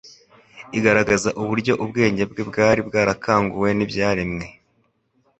igaragaza uburyo ubwenge bwe bwari bwarakanguwe n'ibyaremwe